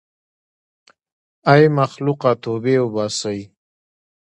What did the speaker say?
ای مخلوقه توبې وباسئ.